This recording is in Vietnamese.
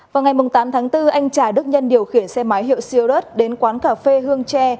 vào ngày tám tháng bốn anh trà đức nhân điều khiển xe máy hiệu siêu đất đến quán cà phê hương tre